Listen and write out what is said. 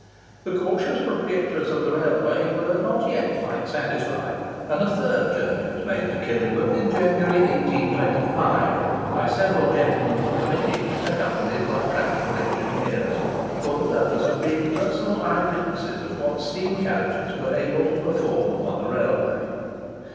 The cautious projectors of the railway were not yet quite satisfied; and a third journey was made to Killingworth, in January, 1825, by several gentlemen of the committee, accompanied by practical engineers, for the purpose of being personal eye witnesses of what steam carriages were able to perform upon a railway.